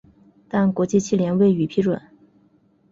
但国际汽联未予批准。